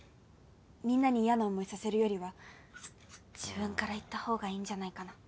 みんなに嫌な思いさせるよりは自分から言った方がいいんじゃないかな。